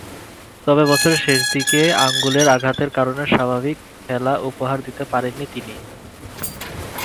তবে বছরের শেষদিকে আঙ্গুলের আঘাতের কারণে স্বাভাবিক খেলা উপহার দিতে পারেননি তিনি।